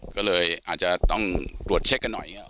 ก็เลยอาจจะต้องตรวจเช็คกันหน่อย